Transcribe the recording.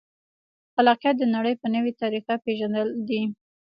خلاقیت د نړۍ په نوې طریقه پېژندل دي.